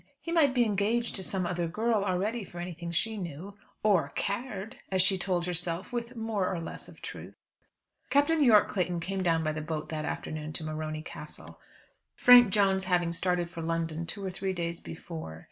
He might be engaged to some other girl already for anything she knew; "or cared," as she told herself with more or less of truth. Captain Yorke Clayton came down by the boat that afternoon to Morony Castle, Frank Jones having started for London two or three days before.